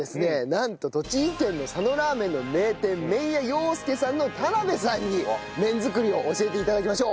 なんと栃木県の佐野ラーメンの名店「麺屋ようすけ」さんの田邉さんに麺作りを教えて頂きましょう。